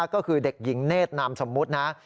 ก็คือเด็กหญิงเนธนามสมมุตินะ